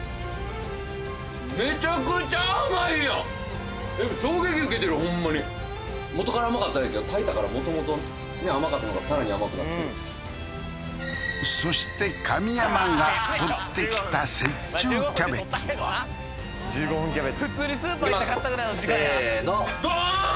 めちゃくちゃ甘いよえっ衝撃受けてるほんまに元から甘かったんやけど炊いたからもともとねえ甘かったんがさらに甘くなってるそして神山が採ってきた雪中キャベツは１５分キャベツいきますせーのドーン！